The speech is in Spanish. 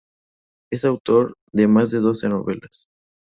Es autor de más de doce novelas.